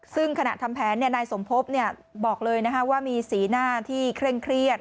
ซึ่งขณะทำแผนนายสมภพบอกเลยว่ามีสีหน้าที่เคร่งเครียด